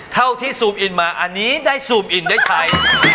เท่าที่ซูมอินมาอันนี้ได้ซูมอินได้ใช้